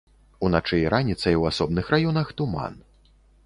Уначы і раніцай у асобных раёнах туман.